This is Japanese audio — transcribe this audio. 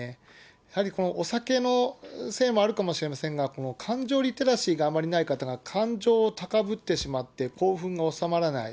やはりお酒のせいもあるかもしれませんが、感情リテラシーがあまりない方が、感情が高ぶってしまって、興奮が収まらない。